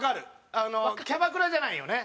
キャバクラじゃないんよね。